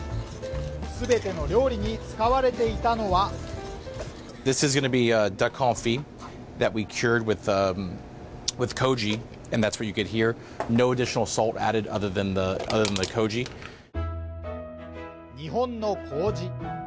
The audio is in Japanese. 全ての料理に使われていたのは日本のこうじ